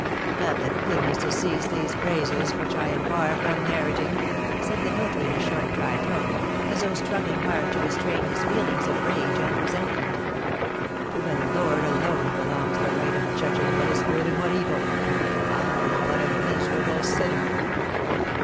"Have the goodness to cease these praises, which I am far from meriting," said the notary, in a short, dry tone, as though struggling hard to restrain his feelings of rage and resentment; "to the Lord alone belongs the right of judging what is good and what evil, I am but a miserable sinner!"